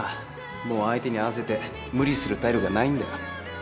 もう相手に合わせて無理する体力はないんだよ。